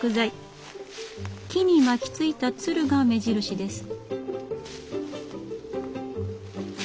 木に巻きついたツルが目印です。